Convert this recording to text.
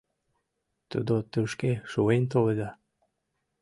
Тудо тышке шуэн толеда.